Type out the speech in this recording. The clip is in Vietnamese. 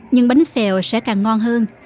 nhưng bánh xèo sẽ càng ngon hơn